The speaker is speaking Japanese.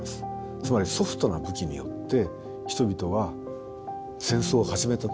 つまりソフトな武器によって人々は戦争を始めたと言っても過言ではない。